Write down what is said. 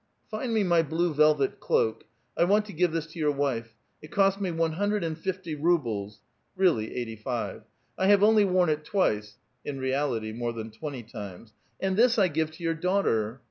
'' Find me my blue velvet cloak. I want to give this to your wife. It cost me one hundred and fifty rubles [really eighty five !] I have only worn it twice [in reality, more than twenty times]. And this I give to your daughter."